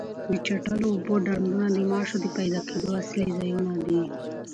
د چټلو اوبو ډنډونه د ماشو د پیدا کېدو اصلي ځایونه دي.